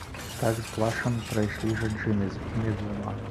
Так з плачам прайшлі жанчыны з імі двума.